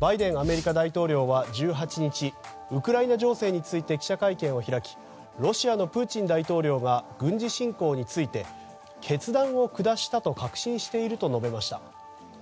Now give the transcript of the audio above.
バイデン、アメリカ大統領は１８日、ウクライナ情勢について記者会見を開きロシアのプーチン大統領が軍事侵攻について決断を下したと確信していると述べました。